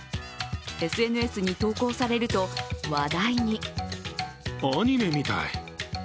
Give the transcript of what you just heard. ＳＮＳに投稿されると話題に。